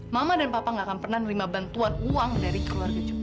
mama dan papa gak akan pernah nerima bantuan uang dari keluarga jody